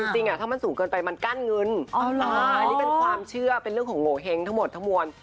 จริงถ้ามันสูงเกินไปมันกั้นเงินอันนี้เป็นความเชื่อเป็นเรื่องของโงเห้งทั้งหมดทั้งมวล